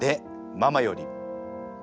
ママより」。